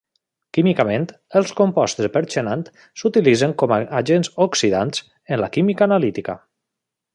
Químicament, els composts de perxenat s'utilitzen com a agents oxidants en la química analítica.